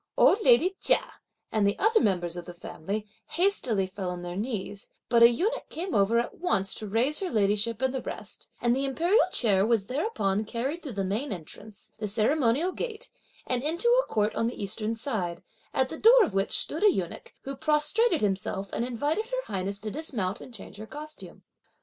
Old lady Chia and the other members of the family hastily fell on their knees, but a eunuch came over at once to raise her ladyship and the rest; and the imperial chair was thereupon carried through the main entrance, the ceremonial gate and into a court on the eastern side, at the door of which stood a eunuch, who prostrated himself and invited (her highness) to dismount and change her costume.